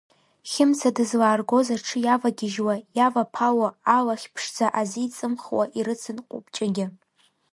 Хьымца дызлааргоз аҽы иавагьежьуа, иаваԥало алахь ԥшӡа азеиҵымхуа ирыцын Ҟәыбҷагьы.